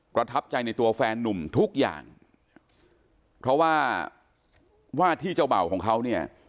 ประทับใจในตัวแฟนนุ่มทุกอย่างเพราะว่าว่าที่เจ้าเบ่าของเขาเนี่ย